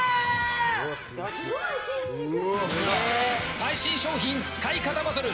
最新商品使い方バトル！